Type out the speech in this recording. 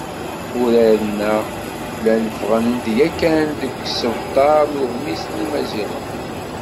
Uraren-a llan ffɣen-d yakan deg yisebtar n Uɣmis n Yimaziɣen.